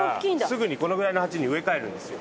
すぐにこのぐらいの鉢に植え替えるんですよ。